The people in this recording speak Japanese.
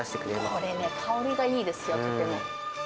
これね、香りがいいですよ、とても。